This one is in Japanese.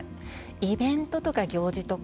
イベントとか行事とか